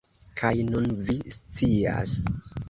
Kaj nun vi scias